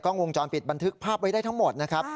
วงจรปิดบันทึกภาพไว้ได้ทั้งหมดนะครับ